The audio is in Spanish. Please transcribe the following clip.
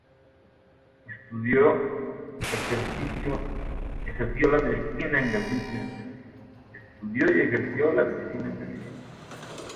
Estudió y ejerció la medicina en Galicia.